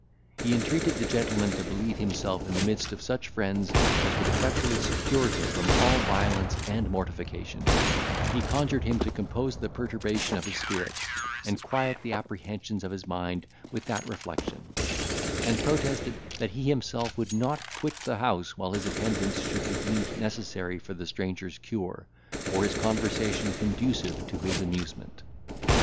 He entreated the gentleman to believe himself in the midst of such friends as would effectually secure him from all violence and mortification; he conjured him to compose the perturbation of his spirits, and quiet the apprehensions of his mind with that reflection; and protested, that he himself would not quit the house while his attendance should be deemed necessary for the stranger's cure, or his conversation conducive to his amusement.